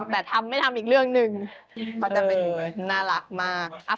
แต่ทำไม่ทำอีกเรื่องหนึ่งเขาจะเป็นน่ารักมาก